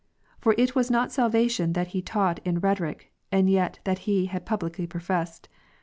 " For it was not salvation that he taught in rhe toric, and yet that he had publicly professed.